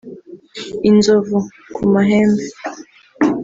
inzovu (ku mahembe)